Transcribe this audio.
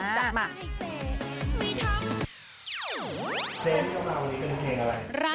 เสมงเธอมาวันนี้เป็นเพลงอะไร